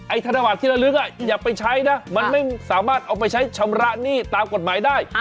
ธนบัตรที่ระลึกอย่าไปใช้นะมันไม่สามารถเอาไปใช้ชำระหนี้ตามกฎหมายได้